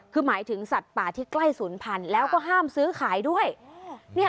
คือหมายถึงสัตว์ป่าที่ใกล้ศูนย์พันธุ์แล้วก็ห้ามซื้อขายด้วย